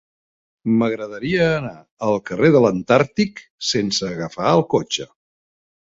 M'agradaria anar al carrer de l'Antàrtic sense agafar el cotxe.